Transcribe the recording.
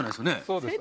そうです。